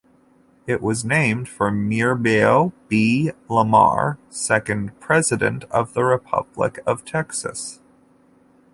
It was named for Mirabeau B. Lamar, second President of the Republic of Texas.